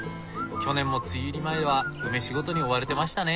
去年も梅雨入り前は梅仕事に追われてましたね。